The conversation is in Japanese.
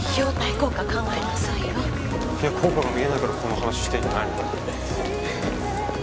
効果が見えないからこの話してんじゃないのかよ